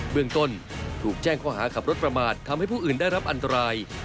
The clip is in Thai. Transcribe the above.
เมืองต้นถูกแจ้งข้อหาขับรถประมาททำให้ผู้อื่นได้รับอันตราย